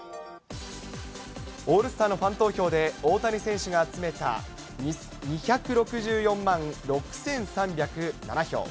オールスターのファン投票で、大谷選手が集めた２６４万６３０７票。